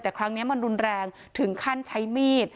แต่ครั้งนี้มันรุนแรงถึงขั้นใช้มีด